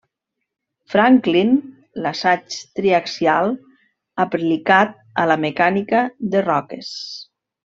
Franklin, l’assaig triaxial aplicat a la mecànica de roques.